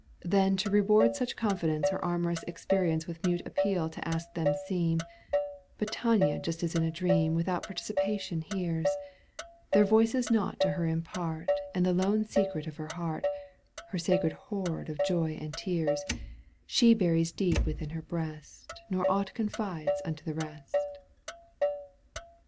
Then to reward such confidence Her amorous experience With mute appeal to ask they seem — But Tania just as in a dream Without participation hears, Their voices nought to her impart And the lone secret of her heart, Her sacred hoard of joy and tears, She buries deep within her breast Nor aught confides imto the rest.